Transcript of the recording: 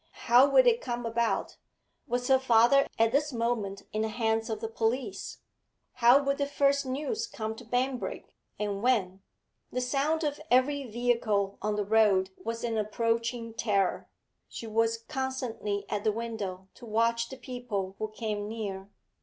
How would it come about? Was her father at this moment in the hands of the police? How would the first news come to Banbrigg, and when? The sound of every vehicle on the road was an approaching terror; she was constantly at the window to watch the people who came near.